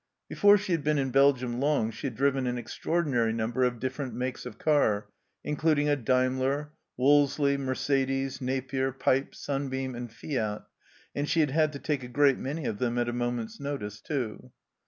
Before she had been in Belgium long she had driven an extraordinary number of different makes of car, including a Daimler, Wolseley, Mercedes, Napier, Pipe, Sunbeam, and Fiat, and she had had to take a great many of them at a moment's notice too.